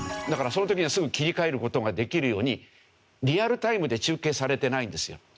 だからその時にはすぐ切り替える事ができるようにリアルタイムで中継されてないんですよ